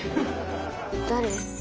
誰？